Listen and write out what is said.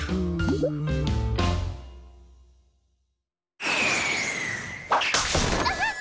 えっ！